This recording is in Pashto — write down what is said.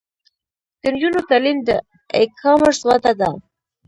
د نجونو تعلیم د ای کامرس وده ده.